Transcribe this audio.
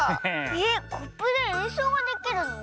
えっコップでえんそうができるの？